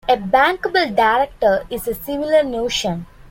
A bankable director is a similar notion.